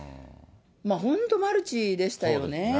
本当、マルチでしたよね。